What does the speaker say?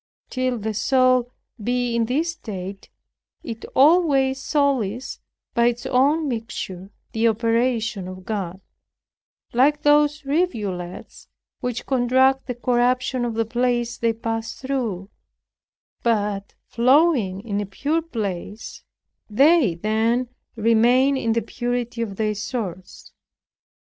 Till the soul be in this state, it always sullies, by its own mixture, the operation of God; like those rivulets which contract the corruption of the places they pass through, but, flowing in a pure place, they then remain in the purity of their source.